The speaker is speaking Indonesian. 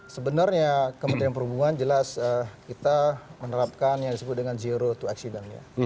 sebenarnya kementerian perhubungan jelas kita menerapkan yang disebut dengan zero to accident ya